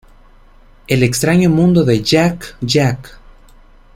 El extraño mundo de Jack: Jack.